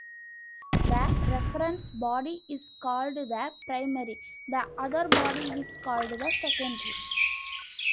The reference body is called the "primary", the other body is called the "secondary".